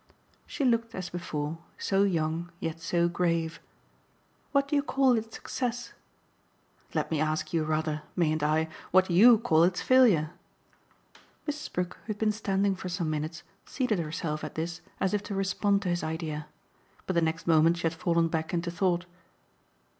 She looked, as before, so young, yet so grave. "What do you call its success?" "Let me ask you rather mayn't I? what YOU call its failure." Mrs. Brook, who had been standing for some minutes, seated herself at this as if to respond to his idea. But the next moment she had fallen back into thought.